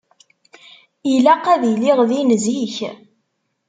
Ilaq ad iliɣ din zik.